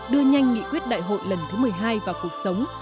đưa nhanh nghị quyết đại hội lần thứ một mươi hai vào cuộc sống